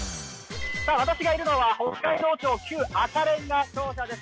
私がいるのは北海道庁旧赤れんが庁舎です